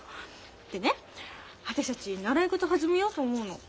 でね私たち習い事始めようと思うの。